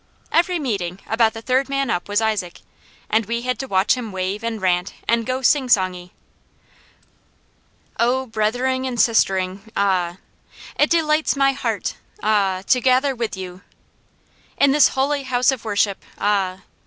Every meeting about the third man up was Isaac, and we had to watch him wave, and rant, and go sing songy: "Oh brethering and sistering ah, It delights my heart ah to gather with you, In this holy house of worship ah.